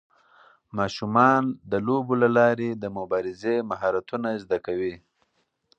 ماشومان د لوبو له لارې د مبارزې مهارتونه زده کوي.